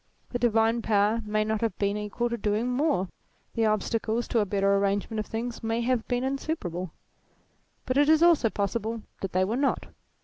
The divine power may not have been equal to doing more ; the obstacles to a better ar rangement of things may have been insuperable. But it is also possible that they were not.